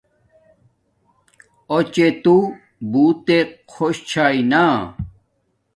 اݸ چے تو بوتک خوش چھاݵ نا